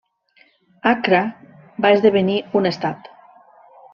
Accra va esdevenir un estat.